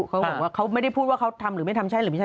เขาบอกว่าเขาไม่ได้พูดว่าเขาทำหรือไม่ทำใช่หรือไม่ใช่